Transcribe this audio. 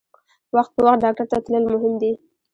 وخت په وخت ډاکټر ته تلل مهم دي.